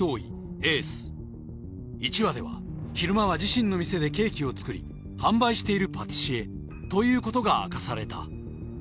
エース１話では昼間は自身の店でケーキを作り販売しているパティシエということが明かされた